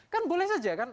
kan boleh saja kan